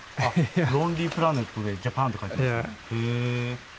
ロンリープラネットでジャパンって書いてあります。